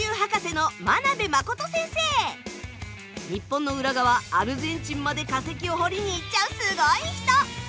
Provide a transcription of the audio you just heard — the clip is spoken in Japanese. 日本の裏側アルゼンチンまで化石を掘りに行っちゃうすごい人。